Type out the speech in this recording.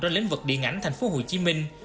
trong lĩnh vực điện ảnh thành phố hồ chí minh